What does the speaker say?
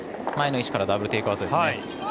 前の石からダブルテイクアウトですね。